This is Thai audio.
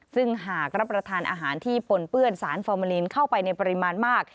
ซึ่งหากรับประทานอาหารที่ปนเปื้อนสารฟอร์มาลีนเข้าไปในปริมาณมาก